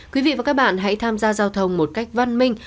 quý vị và các bạn hãy tham gia giao thông một cách văn minh